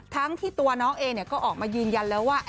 ทั้งที่ตัวน้องเองก็ออกมายืนยันแล้วว่า